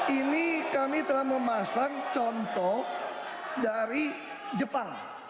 ini kami telah memasang contoh dari jepang